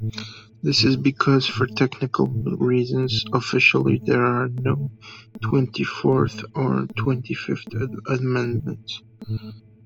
This is because, for technical reasons, officially there are no Twenty-fourth or Twenty-fifth Amendments.